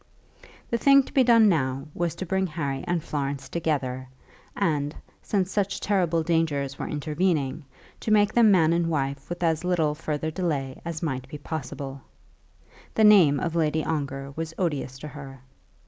The thing to be done now was to bring Harry and Florence together, and, since such terrible dangers were intervening, to make them man and wife with as little further delay as might be possible. The name of Lady Ongar was odious to her.